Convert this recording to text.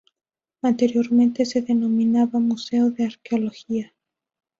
Anteriormente se denominaba Museo de Arqueología.